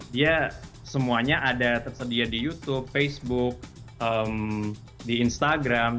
dia semuanya ada tersedia di youtube facebook di instagram